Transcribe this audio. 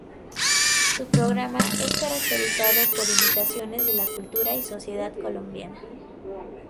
Su programa es caracterizado por imitaciones de la cultura y sociedad colombiana.